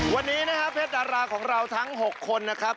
วันนี้นะครับเพชรดาราของเราทั้ง๖คนนะครับ